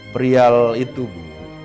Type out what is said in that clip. prial itu bu